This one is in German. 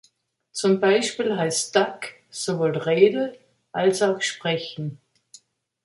Zum Beispiel heißt "dug" sowohl „Rede“ als auch „sprechen“.